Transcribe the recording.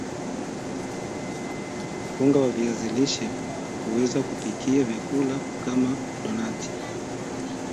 unga wa viazi lishe huweza kupikia vyakula kama donati